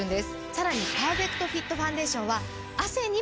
さらにパーフェクトフィットファンデーションは。